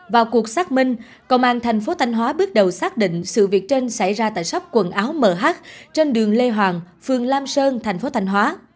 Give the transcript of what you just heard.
vào cuộc xác minh công an tp thanh hóa bước đầu xác định sự việc trên xảy ra tại shop quần áo mh trên đường lê hoàng phường lam sơn tp thanh hóa